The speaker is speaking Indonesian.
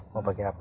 mau pakai apa